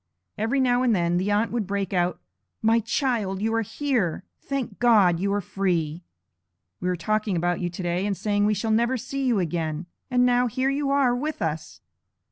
Every now and then, the aunt would break out: 'My child, you are here! Thank God, you are free! We were talking about you today, and saying, we shall never see you again; and now here you are with us.'